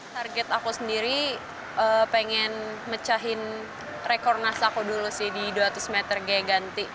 target aku sendiri pengen mecahin rekor nas aku dulu sih di dua ratus meter g ganti